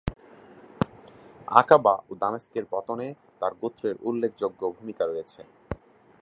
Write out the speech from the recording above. আকাবা ও দামেস্কের পতনে তার গোত্রের উল্লেখযোগ্য ভূমিকা রয়েছে।